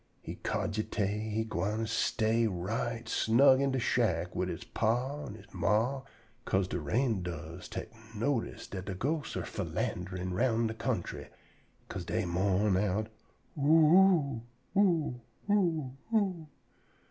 He cogitate he gwine stay right snug in de shack wid he pa an' he ma, 'ca'se de rain doves tek notice dat de ghosts are philanderin' roun' de country, 'ca'se dey mourn out, "Oo oo o o o!"